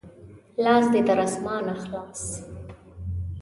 لاس دې تر اسمانه خلاص!